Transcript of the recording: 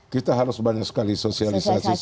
kita harus banyak sekali sosialisasi